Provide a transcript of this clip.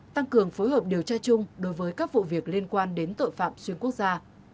tăng cường phối hợp điều tra chung đối với các vụ việc liên quan đến tội phạm xuyên quốc gia